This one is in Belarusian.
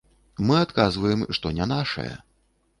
Мы адказваем, што не нашае.